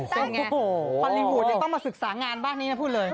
ตั๊กพอลิวูดยังต้องมาศึกษางานบ้านนี้นะพูดเลย